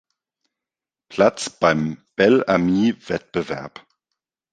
Platz beim Bel-Ami-Wettbewerb.